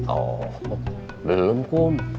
oh belum kum